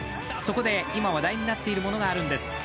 そこで、今話題になっているものがあるんです。